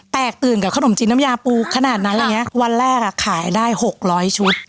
แตกตื่นกับขนมจิ้นน้ำยาปูขนาดนั้นวันแรกขายได้๖๐๐ชุด